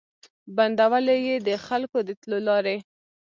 بندولې یې د خلکو د تلو لاري